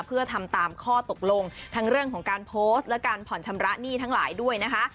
เพื่อทำตามข้อตกลงทั้งเรื่องของการโพสต์และการผ่อนชำระหนี้ทั้งหลายด้วยนะคะ